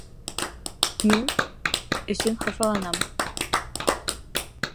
Мин... өсөн хафаланам